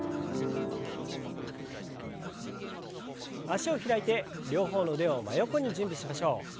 脚を開いて両方の腕を真横に準備しましょう。